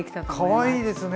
かわいいですね！